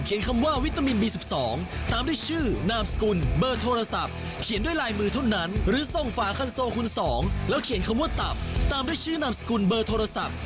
ไปติดตามกันเลยครับ